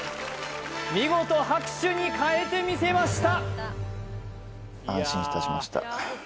見事拍手に変えてみせました